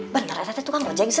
benar itu tukang ojeng saya